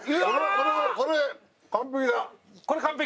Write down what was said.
これ完璧？